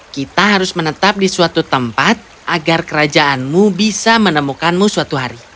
kita harus menetap di suatu tempat agar kerajaanmu bisa menemukanmu suatu hari